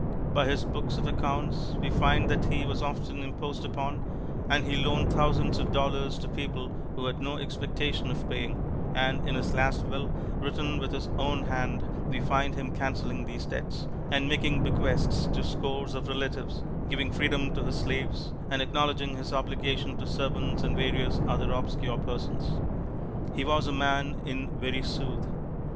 By his books of accounts we find that he was often imposed upon, that he loaned thousands of dollars to people who had no expectation of paying; and in his last will, written with his own hand, we find him canceling these debts, and making bequests to scores of relatives; giving freedom to his slaves, and acknowledging his obligation to servants and various other obscure persons. He was a man in very sooth.